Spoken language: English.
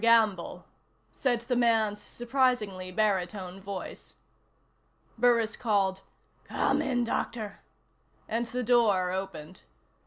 Gamble," said the man's surprisingly baritone voice. Burris called: "Come in, Doctor," and the door opened. Dr.